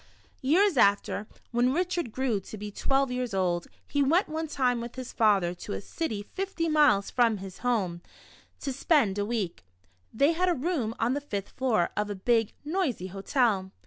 Years after, when Richard orew to be twelve years old, he went one time with his father to a city fifty miles from his home, to spend a week. They had a room on the fifth floor of a big, noisy hotel.